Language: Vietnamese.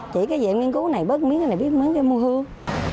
chỉ cái gì em nghiên cứu cái này bớt miếng cái này biết miếng cái mua hương